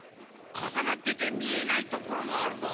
かさなっててみえないところもあるぞ。